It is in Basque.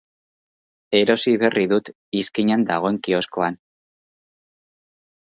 Erosi berri dut, izkinan dagoen kioskoan.